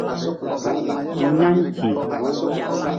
Na ng ci.